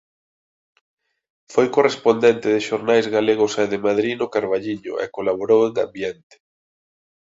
Foi correspondente de xornais galegos e de Madrid no Carballiño e colaborou en "Ambiente".